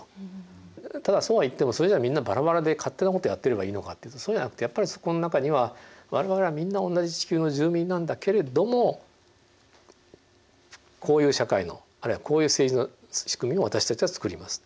ただそうは言ってもそれじゃみんなバラバラで勝手なことやってればいいのかというとそうじゃなくてやっぱりそこの中には我々はみんなおんなじ地球の住民なんだけれどもこういう社会のあるいはこういう政治の仕組みを私たちは作ります。